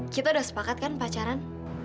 kita udah sepakat kan pacaran